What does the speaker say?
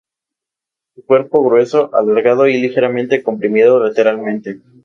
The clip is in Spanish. Su cuerpo grueso, alargado y ligeramente comprimido lateralmente.